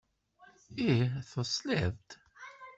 Ih tesliḍ-d!